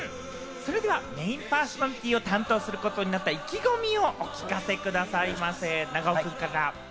メインパーソナリティーを担当することになった意気込みをお聞かせくださいませ、長尾君から。